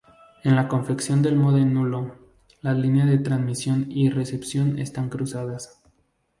En la confección del módem nulo las líneas de transmisión y recepción están cruzadas.